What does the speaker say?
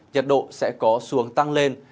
nhiệt độ sẽ có xuống tăng lên